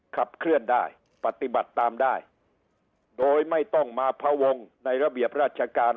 ขับเคลื่อนได้ปฏิบัติตามได้โดยไม่ต้องมาพวงในระเบียบราชการ